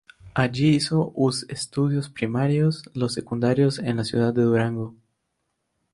Allí hizo us estudios primarios, los secundarios en la ciudad de Durango.